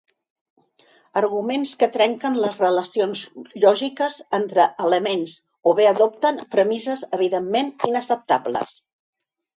Arguments que trenquen les relacions lògiques entre elements o bé adopten premisses evidentment inacceptables.